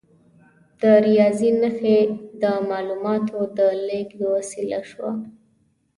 د ریاضي نښې د معلوماتو د لیږد وسیله شوه.